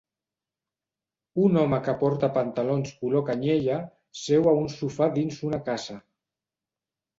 Un home que porta pantalons color canyella seu a un sofà dins una casa.